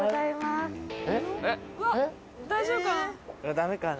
ダメかな？